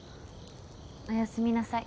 おやすみなさい。